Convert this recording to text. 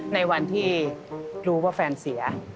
ในวันที่รู้ว่าแฟนเสีย